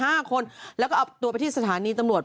ห้าคนแล้วก็เอาตัวไปที่สถานีตำรวจ